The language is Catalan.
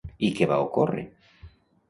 I què va ocórrer?